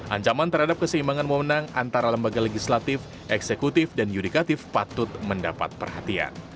ancaman terhadap keseimbangan memenang antara lembaga legislatif eksekutif dan yudikatif patut mendapat perhatian